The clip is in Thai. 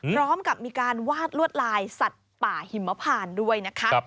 พร้อมกับมีการวาดลวดลายสัตว์ป่าหิมพานด้วยนะคะ